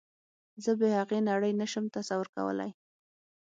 زه بې هغې نړۍ نشم تصور کولی